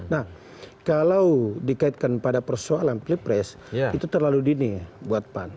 nah kalau dikaitkan pada persoalan pilpres itu terlalu dini buat pan